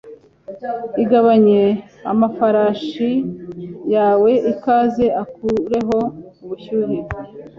igabanye amafarashi yawe akaze ukureho ubushyuhe